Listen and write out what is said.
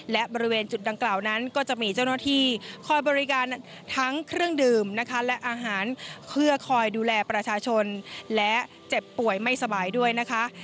และบริเวณจุดดังกล่าวนั้นก็จะมีเจ้าหน้าที่คอยบริการทั้งเครื่องดื่มนะคะและอาหารเพื่อคอยดูแลประชาชนและเจ็บป่วยไม่สบายด้วยนะคะ